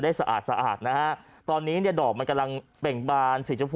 สะอาดสะอาดนะฮะตอนนี้เนี่ยดอกมันกำลังเบ่งบานสีชมพู